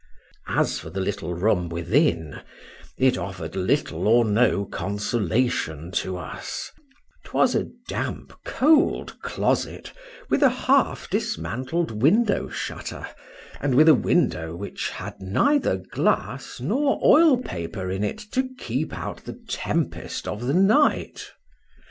As for the little room within, it offer'd little or no consolation to us: 'twas a damp, cold closet, with a half dismantled window shutter, and with a window which had neither glass nor oil paper in it to keep out the tempest of the night.